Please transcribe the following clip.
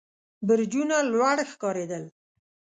برجونه لوړ ښکارېدل.